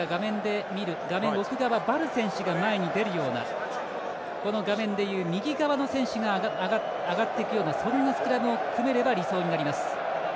画面奥側、ヴァル選手が前に出るようなこの画面でいう右側の選手が上がっていくようなそんなスクラムを組めれば理想となります。